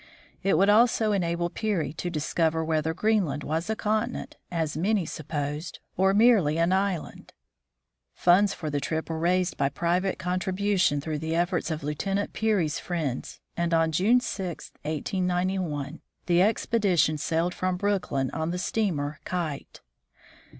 It would also enable Peary to discover whether Greenland was a continent, as many supposed, or merely an island. Funds for the trip were raised by private contribution through the efforts of Lieutenant Peary's friends, and on June 6, 1 89 1, the expedition sailed from Brooklyn on the steamer Kite.